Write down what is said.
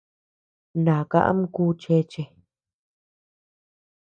Naka ama kú chéche.